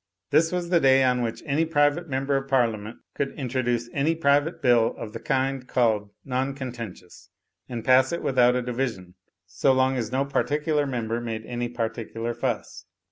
This was the day on which any private member of Parliament could introduce any private bill of the kind called "non con tentious," and pass it without a division, so long as no particular member made any particular fuss.